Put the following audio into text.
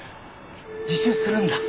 自首するんだ！